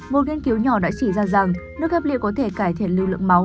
một nghiên cứu nhỏ đã chỉ ra rằng nước ép lựu có thể cải thiện lưu lượng máu